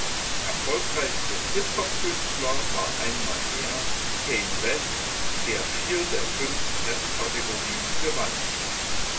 Erfolgreichster Hip-Hop-Künstler war einmal mehr Kanye West, der vier der fünf Rap-Kategorien gewann.